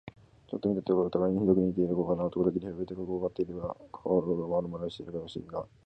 ちょっと見たところ、たがいにひどく似ている小柄な男たちで、平べったく、骨ばってはいるが、頬がまるまるしている顔をしていた。